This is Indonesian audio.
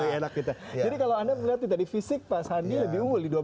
jadi kalau anda melihat tadi fisik pak sandi lebih umur di dua belas lima